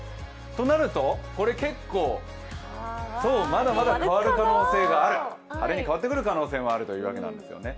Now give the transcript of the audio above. となると、これ結構、そうまだまだ変わる可能性がある晴れに変わってくる可能性もあるということなんですよね。